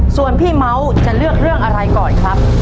ส่วนพี่เมาส์จะเลือกเรื่องอะไรก่อนครับ